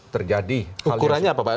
terjadi ukurannya apa pak